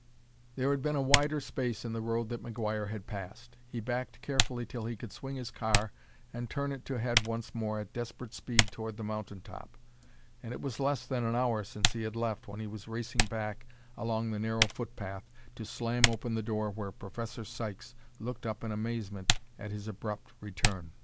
There had been a wider space in the road that McGuire had passed; he backed carefully till he could swing his car and turn it to head once more at desperate speed toward the mountain top. And it was less than an hour since he had left when he was racing back along the narrow footpath to slam open the door where Professor Sykes looked up in amazement at his abrupt return.